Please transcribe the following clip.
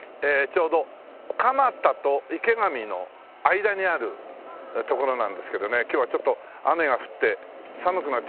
ちょうど蒲田と池上の間にある所なんですけどね今日はちょっと雨が降って寒くなっちゃいましたね。